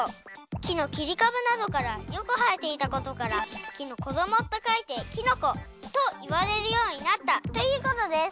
きのきりかぶなどからよくはえていたことから「きのこども」とかいて「きのこ」といわれるようになったということです。